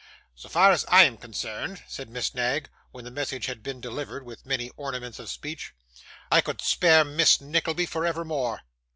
'So far as I am concerned,' said Miss Knag, when the message had been delivered, with many ornaments of speech; 'I could spare Miss Nickleby for evermore.